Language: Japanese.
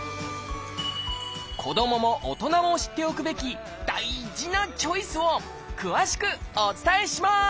子どもも大人も知っておくべき大事なチョイスを詳しくお伝えします！